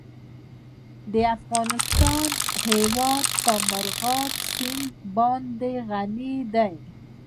د افغانستان هیواد په مورغاب سیند باندې غني دی.